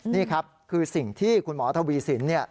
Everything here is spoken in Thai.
นี่ครับคือสิ่งที่คุณหมอทวีสิน